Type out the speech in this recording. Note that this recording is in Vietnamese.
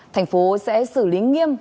tp hcm sẽ xử lý nghiêm